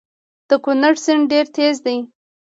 د کونړ سیند ډیر تېز دی